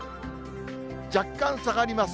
若干下がります。